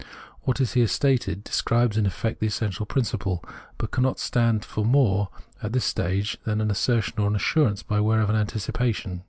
What is here stated describes in effect the essential principle ; but cannot stand for more at this stage than an assertion or assurance by way of antici pation.